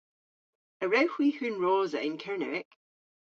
A wrewgh hwi hunrosa yn Kernewek?